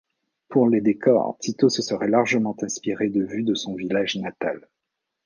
Pour les décors, Tito se serait largement inspiré de vues de son village natal.